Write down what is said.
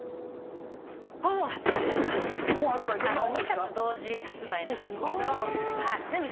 ２冊同時発売なんですけどえっすごい！